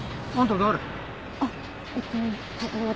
・あんた誰？